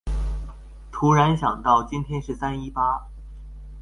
突然想到今天是三一八